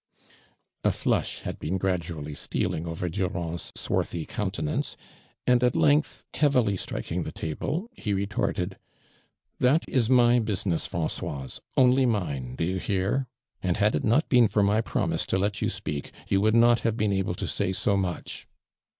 "' A flush had l>een gradually stealing over Durand's .swarthy countenance, and at length, heavily striking the table, he retort ■ed :That is my business, Francoise, only mine, do you hoar ; and had it not been for my promise to let yoi' speak, you would not have been able to say so much."